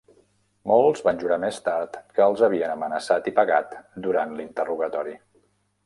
Molts van jurar més tard que els havien amenaçat i pegat durant l'interrogatori.